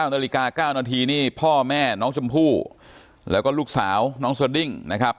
๙นาฬิกา๙นาทีนี่พ่อแม่น้องชมพู่แล้วก็ลูกสาวน้องสดิ้งนะครับ